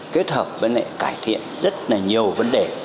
kết hợp với lại cải thiện rất là nhiều vấn đề